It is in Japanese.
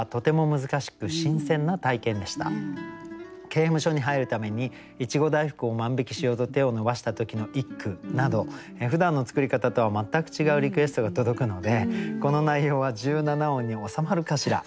「刑務所に入るためにいちご大福を万引きしようと手を伸ばした時の一句などふだんの作り方とは全く違うリクエストが届くのでこの内容は十七音に収まるかしら？